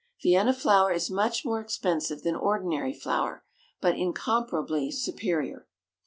Vienna flour is much more expensive than ordinary flour, but incomparably superior.